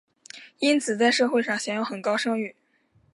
因此在社会上享有很高声誉。